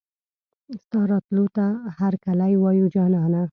ستا راتلو ته هرکلی وايو جانانه